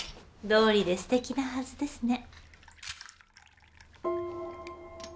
どうりで素敵なはずですね。